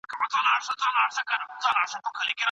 روسیه د منځنۍ اسیا د اوبو پر سر څه دریځ لري؟